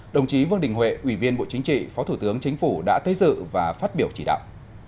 đồng chí vương đình huệ ủy viên bộ chính trị phó thủ tướng chính phủ đã tới dự và phát biểu chỉ đạo